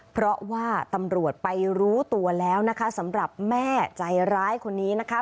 เพราะว่าตำรวจไปรู้ตัวแล้วนะคะสำหรับแม่ใจร้ายคนนี้นะคะ